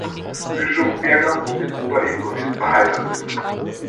Bischofberger wohnt in Oberegg und ist verheiratet.